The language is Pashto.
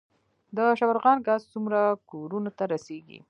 د شبرغان ګاز څومره کورونو ته رسیږي؟